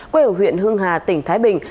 quê ở huyện hương hà tỉnh thái bình